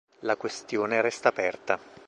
La questione resta aperta.